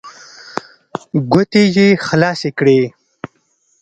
ګوتې يې خلاصې کړې.